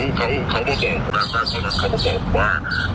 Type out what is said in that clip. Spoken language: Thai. เป็นน้าให้อะไรอย่างนี้หรอครับ